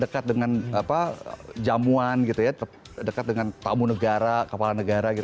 dekat dengan jamuan gitu ya dekat dengan tamu negara kepala negara gitu